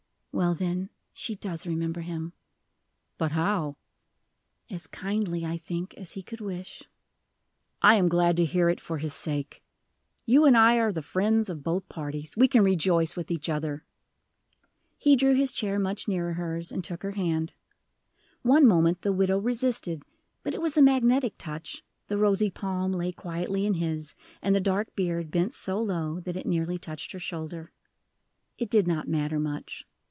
"Well, then, she does remember him." "But how?" "As kindly, I think, as he could wish." "I am glad to hear it, for his sake. You and I are the friends of both parties: we can rejoice with each other." He drew his chair much nearer hers, and took her hand. One moment the widow resisted, but it was a magnetic touch, the rosy palm lay quietly in his, and the dark beard bent so low that it nearly touched her shoulder. It did not matter much.